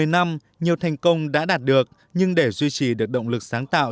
một mươi năm nhiều thành công đã đạt được nhưng để duy trì được động lực sáng tạo